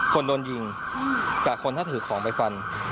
คนโดนยิงแต่คนถ้าถือของไปฟัน